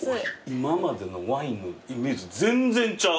今までのワインのイメージと全然ちゃう。